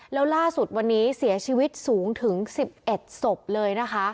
แล้วล่าสุดวันนี้เสียชีวิตสูงถึง๑๑ศพเลยนะคะ